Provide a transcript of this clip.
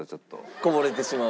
こぼれてしまう。